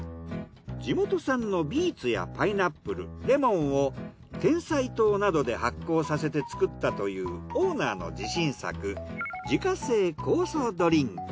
地元産のビーツやパイナップルレモンをてんさい糖などで発酵させて作ったというオーナーの自信作